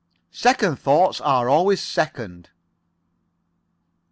"Second thoughts are always second."